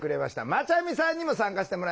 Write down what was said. まちゃみさんにも参加してもらいます。